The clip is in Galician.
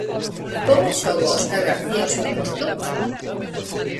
Pon en xogo Óscar García o seu posto?